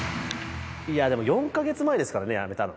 いやあでも４カ月前ですからね辞めたの。